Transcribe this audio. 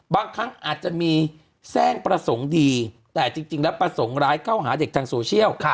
บางครั้งอาจจะมีแทร่งประสงค์ดีแต่จริงแล้วประสงค์ร้ายเข้าหาเด็กทางโซเชียล